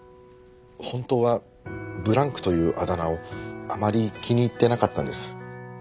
本当はブランクというあだ名をあまり気に入ってなかったんです。